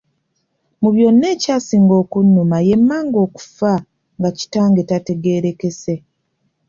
Mu byonna ekyasinga okunnuma ye mmange okufa nga Kitange tategeerekese.